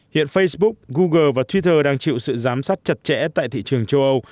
hiện facebook google và twitter đang chịu sự giám sát chặt chẽ tại thị trường châu âu